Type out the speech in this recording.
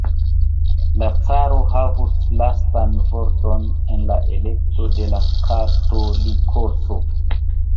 La caro havus lastan vorton en la elekto de la Katolikoso.